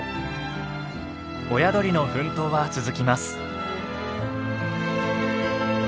親鳥の奮闘は続きます。